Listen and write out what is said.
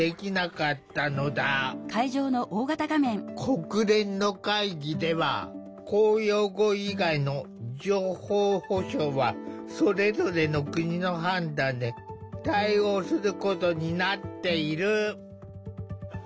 国連の会議では公用語以外の情報保障はそれぞれの国の判断で対応することになっている。